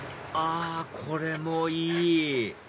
あこれもいい！